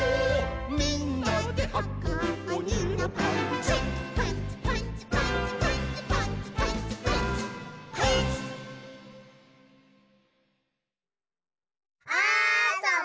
「みんなではこうおにのパンツ」「パンツパンツパンツパンツパンツパンツパンツパンツ」「パンツ」あそぼ！